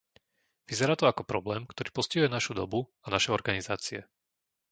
Vyzerá to ako problém, ktorý postihuje našu dobu a naše organizácie.